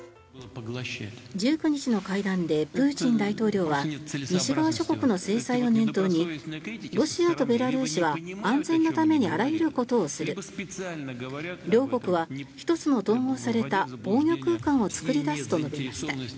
１９日の会談でプーチン大統領は西側諸国の制裁を念頭にロシアとベラルーシは安全のためにあらゆることをする両国は１つの統合された防御空間を作り出すと述べました。